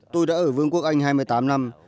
tôi đã ở vương quốc anh hai mươi tám năm